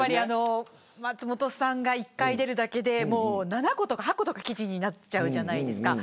松本さんが１回出るだけで７個とか８個とか記事になっちゃうじゃないですか。